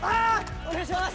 お願いします。